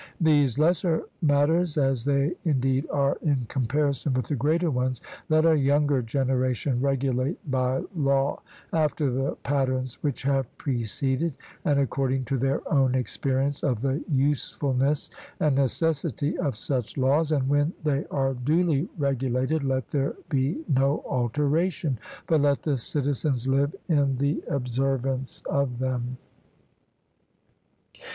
These lesser matters, as they indeed are in comparison with the greater ones, let a younger generation regulate by law, after the patterns which have preceded, and according to their own experience of the usefulness and necessity of such laws; and when they are duly regulated let there be no alteration, but let the citizens live in the observance of them.